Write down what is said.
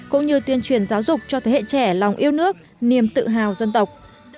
cũng như tuyên truyền giáo dục cho thế hệ trẻ lòng yêu nước niềm tự hào dân tộc